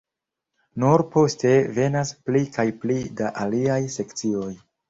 Nur poste venas pli kaj pli da aliaj sekcioj.